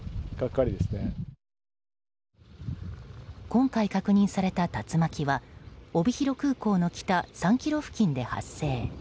今回確認された竜巻は帯広空港の北３ｋｍ付近で発生。